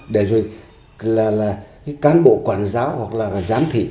để rồi cán bộ quản giáo hoặc là giám thị